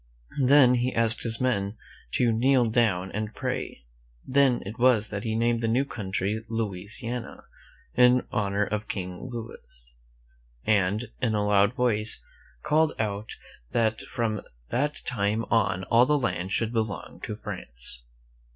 Then ^^ he asked all his men to kneel down and pray. 1^ Then it was that he named the new country Louisiana, in honor of King Louis, and, in a loud voice, called out that from that time on all the land should belong to France.